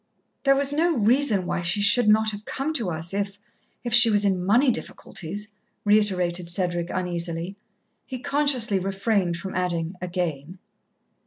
"There was no reason why she should not have come to us if if she was in money difficulties," reiterated Cedric uneasily. He consciously refrained from adding "again."